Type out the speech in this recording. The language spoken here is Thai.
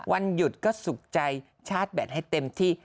วันหยุดก็สุขใจชาร์จแบตให้เต็มที่